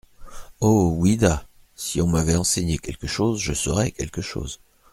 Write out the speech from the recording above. Oh ! oui-da ! si on m’avait enseigné quelque chose, je saurais quelque chose.